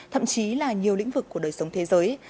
thậm chí là nhiều lĩnh vực của đời sống thế giới